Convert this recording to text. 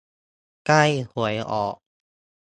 ใกล้หวยออก